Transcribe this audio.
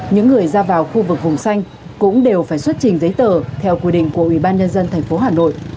những người ra vào khu vực vùng xanh cũng đều phải xuất trình giấy tờ theo quy định của ủy ban nhân dân tp hà nội